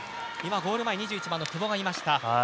ゴール前２１番の久保がいました。